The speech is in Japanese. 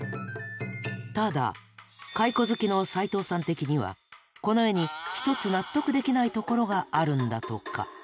ただ蚕好きの齊藤さん的にはこの絵に一つ納得できないところがあるんだとか。